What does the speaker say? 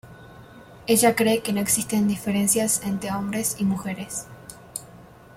Ella cree que no existen diferencias entre hombres y mujeres.